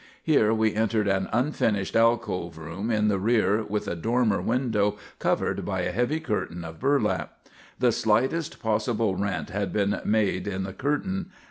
Here we entered an unfinished alcove room in the rear with a dormer window covered by a heavy curtain of burlap. The slightest possible rent had been made in the curtain.